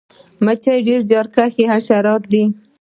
مچۍ ډیر زیارکښه حشرات دي